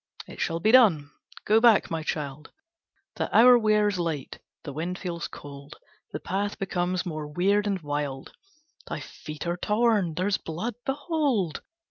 "It shall be done. Go back, my child, The hour wears late, the wind feels cold, The path becomes more weird and wild, Thy feet are torn, there's blood, behold!